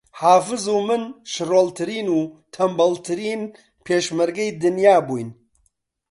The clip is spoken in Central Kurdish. حافز و من شڕۆڵترین و تەنبەڵترین پێشمەرگەی دنیا بووین